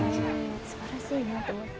すばらしいなと思って。